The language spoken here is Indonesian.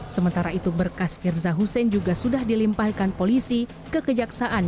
sementara itu berkas firza hussein juga sudah dilimpahkan polisi ke kejaksaan